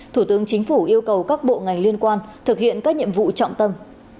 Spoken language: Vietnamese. thủ tướng chính phủ yêu cầu các bộ ngành liên quan thực hiện các nhiệm vụ trọng tâm